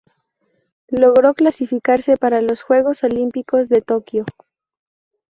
Logró clasificarse para los Juegos Olímpicos de Tokio.